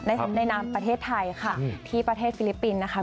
ในนามประเทศไทยค่ะที่ประเทศฟิลิปปินส์นะคะ